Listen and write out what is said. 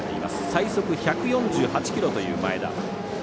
最速１４８キロという前田。